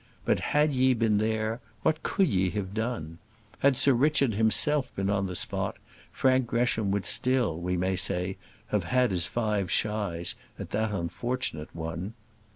But had ye been there what could ye have done? Had Sir Richard himself been on the spot Frank Gresham would still, we may say, have had his five shies at that unfortunate one.